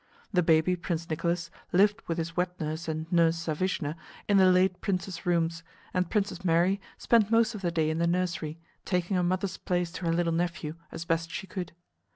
The baby Prince Nicholas lived with his wet nurse and nurse Sávishna in the late princess' rooms and Princess Mary spent most of the day in the nursery, taking a mother's place to her little nephew as best she could.